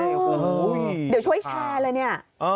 เดี๋ยวช่วยแชร์เลยเนี่ย